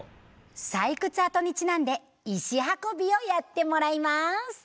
採掘跡にちなんで石運びをやってもらいます。